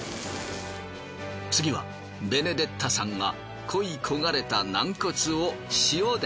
次はベネデッタさんが恋焦がれたナンコツを塩で。